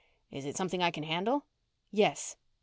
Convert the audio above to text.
"Is it something I can handle?" "Yes."